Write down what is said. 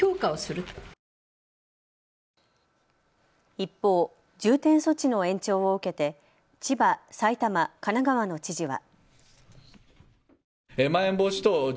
一方、重点措置の延長を受けて千葉、埼玉、神奈川の知事は。